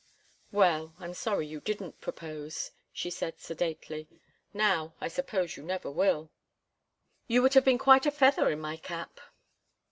"Well, I'm sorry you didn't propose," she said, sedately. "Now I suppose you never will. You would have been quite a feather in my cap."